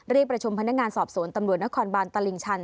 ประชุมพนักงานสอบสวนตำรวจนครบานตลิ่งชัน